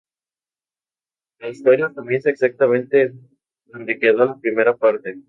La historia comienza exactamente donde quedó la primera parte.